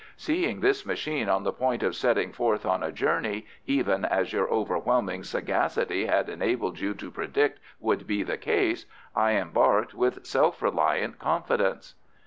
"Seeing this machine on the point of setting forth on a journey, even as your overwhelming sagacity had enabled you to predict would be the case, I embarked with self reliant confidence."